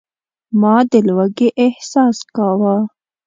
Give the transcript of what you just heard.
ما د لوږې احساس کاوه.